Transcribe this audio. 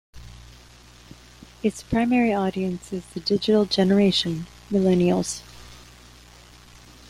Its primary audience is the digital generation, millennials.